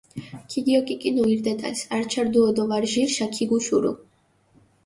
ქიგიოკიკინუ ირ დეტალს, ართშა რდუო დო ვარ ჟირშა ქიგუშურუ.